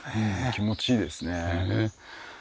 気持ちいいですね。